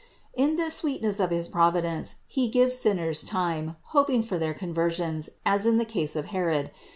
616. In this sweetness of his Providence He gives sin ners time, hoping for their conversions, as in the case of Herod.